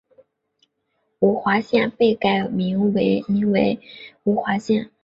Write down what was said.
五华县被改名名为五华县。